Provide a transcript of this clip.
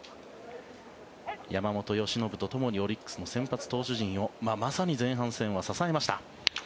山本由伸とともにオリックスの先発投手陣をまさに前半戦は支えました。